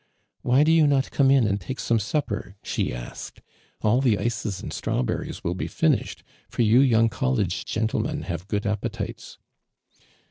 "'• Why do you not come in and take some supper?" she asked. "All the ices and strawberries will be finished, for you young college gentlemen have good appetites."